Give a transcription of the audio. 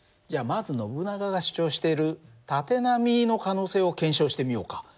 じゃあまずノブナガが主張している縦波の可能性を検証してみようか。